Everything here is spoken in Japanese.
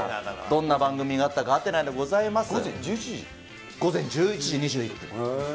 どんな番組があったか、はてなでございます。